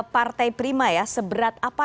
partai prima ya seberat apa